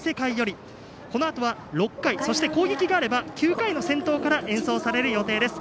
このあとは６回そして攻撃があれば９回の先頭から演奏される予定です。